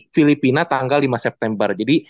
filipina tanggal lima september jadi